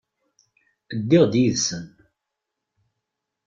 Ddiɣ-d yid-sen.